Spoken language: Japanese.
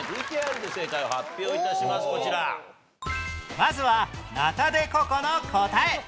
まずはナタデココの答え